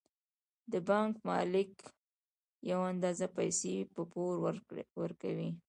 د بانک مالک یوه اندازه پیسې په پور ورکوي